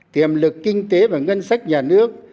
tiềm lực kinh tế và ngân sách nhà nước